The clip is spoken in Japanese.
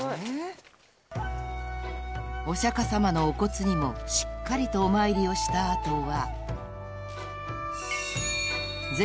［お釈迦様のお骨にもしっかりとお参りをした後は］